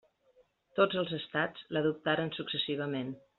Tots els estats l'adoptaren successivament.